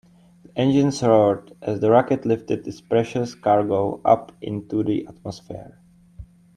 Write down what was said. The engines roared as the rocket lifted its precious cargo up into the atmosphere.